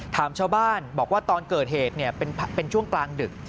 ถามชาวบ้านบอกว่าตอนเกิดเหตุเป็นช่วงกลางดึก